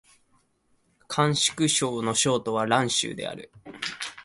甘粛省の省都は蘭州である